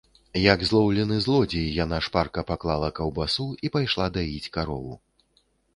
Як злоўлены злодзей, яна шпарка паклала каўбасу і пайшла даіць карову.